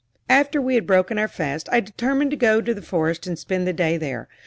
After we had broken our fast, I determined to go to the forest and spend the day there.